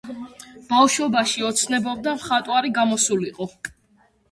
ბავშვობაში ოცნებობდა მხატვარი გამოსულიყო.